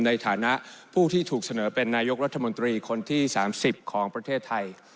ในฐานะผู้ที่ถูกเสนอเป็นนายกรัฐมนตรีคนที่๓๐ของประเทศไทย